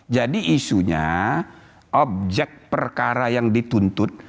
isunya objek perkara yang dituntut